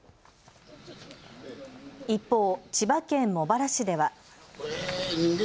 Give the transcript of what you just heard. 一方、千葉県茂原市では。